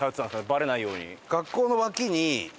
バレないように。